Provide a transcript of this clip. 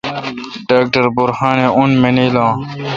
ڈاکٹر برہان اون مینل اؘ